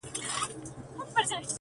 • داسي په ماښام سترگي راواړوه.